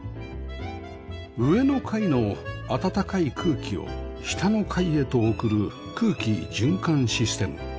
上の階の暖かい空気を下の階へと送る空気循環システム